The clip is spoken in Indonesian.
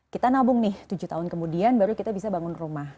kita nabung nih tujuh tahun kemudian baru kita bisa bangun rumah